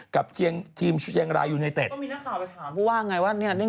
กับทีมเชียงรายยูในเต็ต